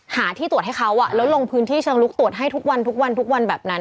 หาที่ตรวจให้เขาแล้วลงพื้นที่เชิงลุกตรวจให้ทุกวันทุกวันทุกวันแบบนั้น